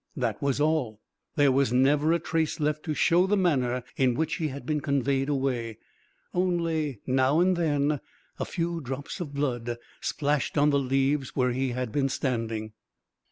That was all. There was never a trace left to show the manner in which he had been conveyed away: only, now and then, a few drops of blood splashed on the leaves where he had been standing.